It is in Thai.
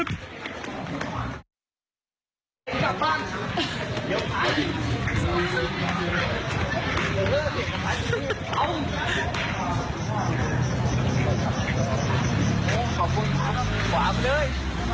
ขวามันด้วย